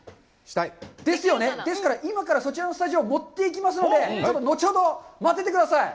ですから、今からそちらのスタジオに持っていきますので、後ほど待っててください。